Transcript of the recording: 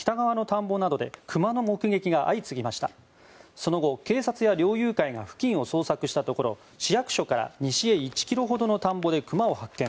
その後、警察や猟友会が付近を捜索したところ市役所から西へ１ｋｍほどの田んぼで熊を発見。